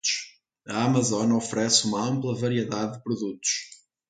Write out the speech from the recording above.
A Amazon oferece uma ampla variedade de produtos.